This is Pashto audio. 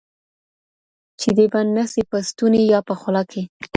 چی دي بند نه سي په ستوني یا په خوله کی